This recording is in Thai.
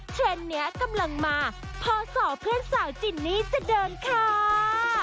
เทรนด์นี้กำลังมาพอสอเพื่อนสาวจินนี่จะเดินค่ะ